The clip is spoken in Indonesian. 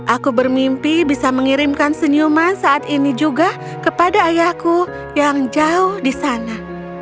aku bermimpi bisa mengirimkan senyuman saat ini juga kepada ayahku yang jauh di sana